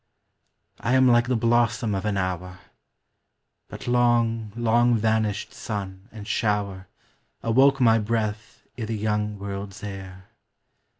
I am like the blossom of an hour. But long, long vanished sun and shower Awoke my breath i' the young world's air.